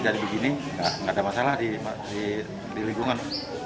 jadi begini nggak ada masalah di lingkungan